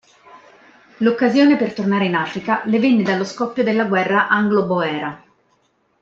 L'occasione per tornare in Africa le venne dallo scoppio della guerra Anglo-Boera.